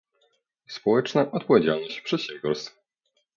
społeczna odpowiedzialność przedsiębiorstw